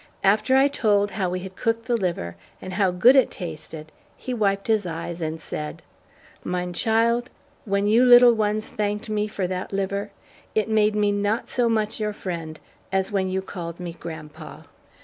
After I told how we had cooked the liver and how good it tasted, he wiped his eyes and said: "Mine child, when you little ones thanked me for that liver, it made me not so much your friend as when you called me 'grandpa.'"